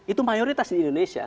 itu mayoritas di indonesia